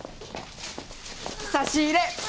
差し入れ！